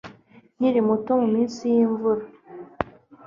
nkiri muto muminsi yimvura